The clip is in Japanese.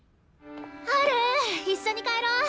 ハル一緒に帰ろ。